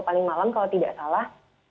paling malam kalau tidak salah